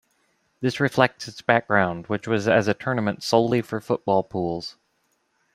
This reflects its background, which was as a tournament solely for football pools.